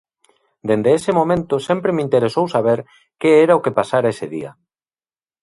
Dende ese momento sempre me interesou saber que era o que pasara ese día.